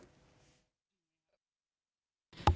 กรัฐที่ยุ่งเป็นประตูหน้า